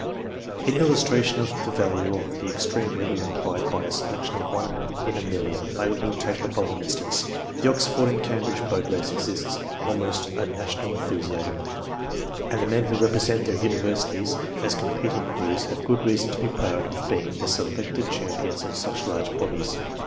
In illustration of the value of the extreme rigour implied by a selection of one in a million, I will take the following instance. The Oxford and Cambridge boat race excites almost a national enthusiasm, and the men who represent their Universities as competing crews have good reason to be proud of being the selected champions of such large bodies.